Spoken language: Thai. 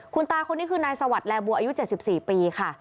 คุณตาคนนี้คือนายสวัสดิแลบัวอายุ๗๔ปีค่ะ